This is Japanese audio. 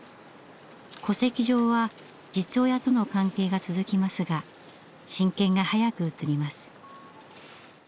戸籍上は実親との関係が続きますが親権が早く移ります。